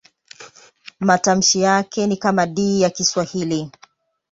Matamshi yake ni kama D ya Kiswahili.